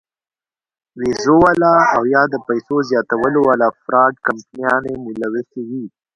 وېزو واله او يا د پېسو زياتولو واله فراډ کمپنيانې ملوثې وي -